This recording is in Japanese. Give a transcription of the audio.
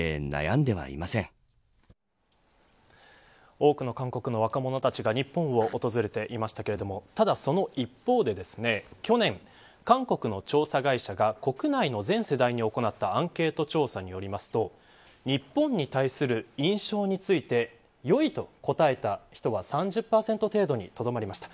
多くの韓国の若者たちが日本を訪れていましたけれどもただその一方で、去年韓国の調査会社が国内の全世代に行ったアンケート調査によりますと日本に対する印象について良いと答えた人は３０％程度にとどまりました。